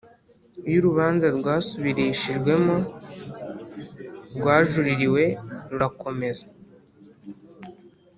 Iyo urubanza rwasubirishijwemo rwajuririwe rurakomeza